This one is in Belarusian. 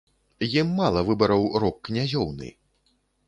Ім мала выбараў рок-князёўны!